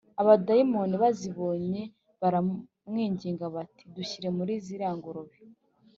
Abadayimoni bazibonye baramwinginga bati dushyire muri ziriya ngurube